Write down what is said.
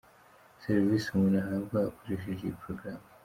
Serivisi umuntu ahabwa akoresheje iyi porogaramu.